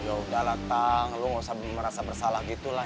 yaudah lah tang lo gak usah merasa bersalah gitu lah